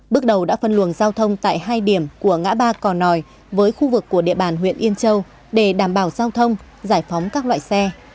bước đầu đã phân luồng giao thông tại hai điểm của ngã ba cỏ nòi với khu vực của địa bàn huyện yên châu để đảm bảo giao thông giải phóng các loại xe